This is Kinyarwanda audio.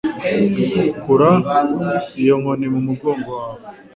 Kura iyo nkoni ku mugongo wawe